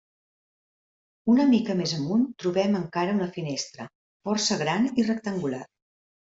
Una mica més amunt trobem encara una finestra, força gran i rectangular.